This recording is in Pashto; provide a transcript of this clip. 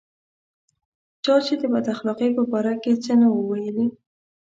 چې چا د بد اخلاقۍ په باره کې څه نه وو ویلي.